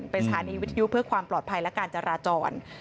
เป็นสถานีวิทยุเพื่อความปลอดภัยและการจราจร